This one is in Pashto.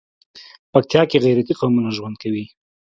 پکتيا کې غيرتي قومونه ژوند کوي.